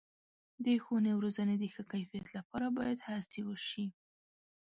د ښوونې او روزنې د ښه کیفیت لپاره باید هڅې وشي.